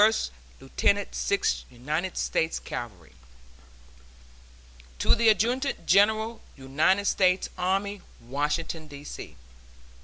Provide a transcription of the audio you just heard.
(First Lieutenant Sixth United States Cavalry.) TO THE ADJUTANT GENERAL UNITED STATES ARMY, Washington, D. C.